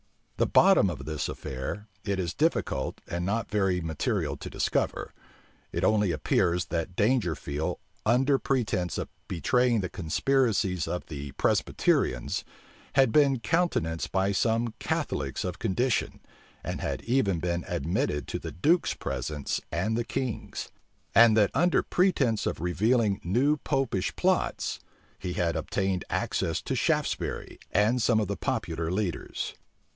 The bottom of this affair it is difficult and not very material to discover. It only appears, that Dangerfield, under pretence of betraying the conspiracies of the Presbyterians, had been countenanced by some Catholics of condition, and had even been admitted to the duke's presence and the king's; and that under pretence of revealing new Popish plots, he had obtained access to Shaftesbury and some of the popular leaders.